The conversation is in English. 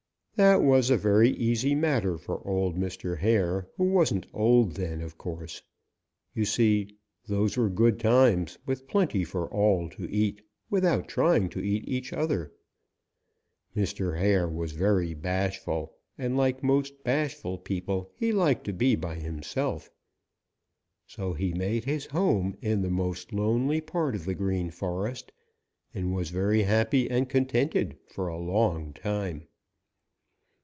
That was a very easy matter for old Mr. Hare, who wasn't old then, of course. You see, those were good times with plenty for all to eat without trying to eat each other. Mr. Hare was very bashful, and like most bashful people he liked to be by himself. So he made his home in the most lonely part of the Green Forest and was very happy and contented for a long time.